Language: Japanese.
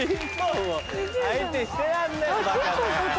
相手にしてらんねえよバカで。